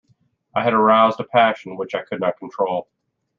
I had aroused a passion which I could not control.